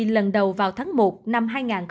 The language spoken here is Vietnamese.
lần đầu vào tháng một năm hai nghìn hai mươi